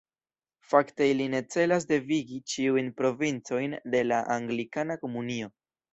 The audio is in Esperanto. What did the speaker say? Fakte ili ne celas devigi ĉiujn provincojn de la Anglikana Komunio.